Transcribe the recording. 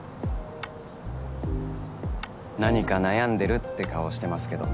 何か悩んでるって顔してますけど。